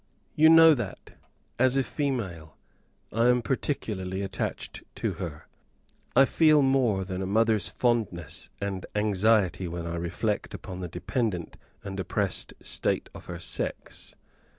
You know that, as a female, I am particularly attached to her; I feel more than a mother's fondness and anxiety when I reflect on the dependent and oppressed state of her sex.